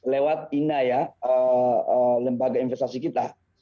lewat ina ya lembaga investasi kita